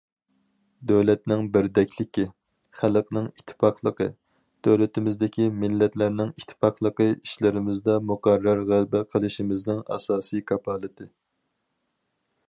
دۆلەتنىڭ بىردەكلىكى، خەلقنىڭ ئىتتىپاقلىقى، دۆلىتىمىزدىكى مىللەتلەرنىڭ ئىتتىپاقلىقى ئىشلىرىمىزدا مۇقەررەر غەلىبە قىلىشىمىزنىڭ ئاساسىي كاپالىتى.